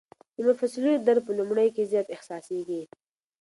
د مفصلونو درد په لومړیو کې زیات احساسېږي.